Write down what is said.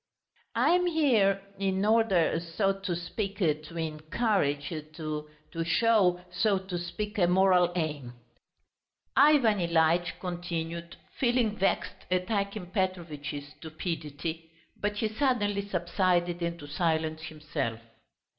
"I am here ... in order, so to speak, to encourage ... to show, so to speak, a moral aim," Ivan Ilyitch continued, feeling vexed at Akim Petrovitch's stupidity, but he suddenly subsided into silence himself.